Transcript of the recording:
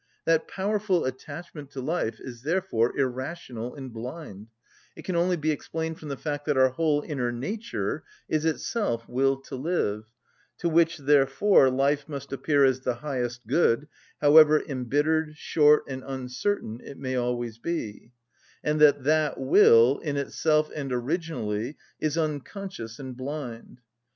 That powerful attachment to life is therefore irrational and blind; it can only be explained from the fact that our whole inner nature is itself will to live, to which, therefore, life must appear as the highest good, however embittered, short, and uncertain it may always be; and that that will, in itself and originally, is unconscious and blind.